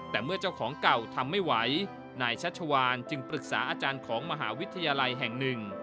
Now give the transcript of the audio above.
แต่เมื่อเจ้าของเก่าทำไม่ไหวนายชัชวานจึงปรึกษาอาจารย์ของมหาวิทยาลัยแห่งหนึ่ง